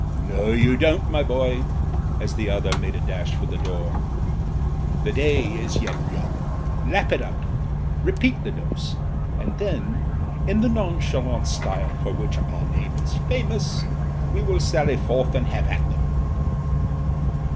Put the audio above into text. "No, you don't, my boy !" as the other made a dash for the door. "The day is yet young. Lap it up ; repeat the dose ; and then in the nonchalant style for which our name is famous we will sally forth and have at them."